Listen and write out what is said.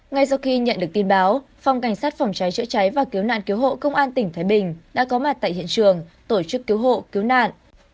ngay sau khi nhận được tin báo phòng cảnh sát phòng cháy chữa cháy và cứu nạn cứu hộ công an tỉnh thái bình đã có mặt tại hiện trường tổ chức cứu hộ cứu nạn